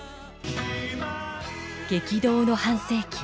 激動の半世紀